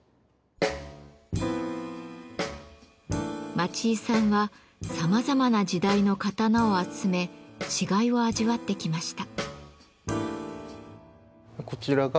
町井さんはさまざまな時代の刀を集め違いを味わってきました。